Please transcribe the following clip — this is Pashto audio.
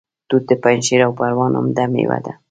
توت د پنجشیر او پروان عمده میوه ده